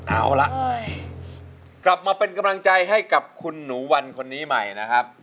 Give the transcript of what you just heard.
เอาละกลับมาเป็นกำลังใจให้กับคุณหนูวันคนนี้ใหม่นะครับ